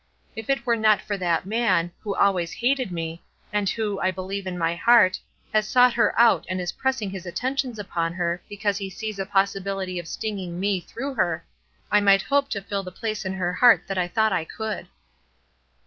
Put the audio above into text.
If it were not for that man, who always hated me, and who, I believe in my heart, has sought her out and is pressing his attentions upon her because he sees a possibility of stinging me through her, I might hope to fill the place in her heart that I thought I could."